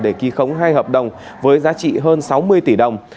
để ký khống hai hợp đồng với giá trị hơn sáu mươi tỷ đồng